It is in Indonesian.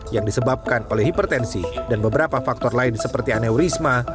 yang disebabkan oleh hipertensi dan beberapa faktor lain seperti aneurisma